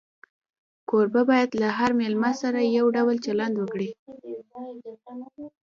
کوربه باید له هر مېلمه سره یو ډول چلند وکړي.